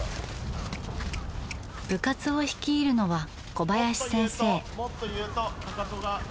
部活を率いるのは小林先生。